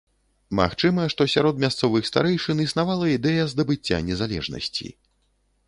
Магчыма, што сярод мясцовых старэйшын існавала ідэя здабыцця незалежнасці.